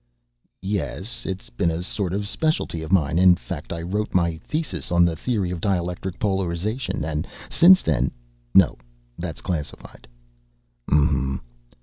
"Yes. It's been a sort of specialty of mine, in fact. I wrote my thesis on the theory of dielectric polarization and since then no, that's classified." "M hm."